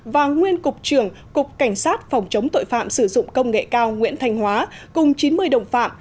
và nguyên cục trưởng cục cảnh sát phòng chống tội phạm sử dụng công nghệ cao nguyễn thành hóa cùng chín mươi đồng phạm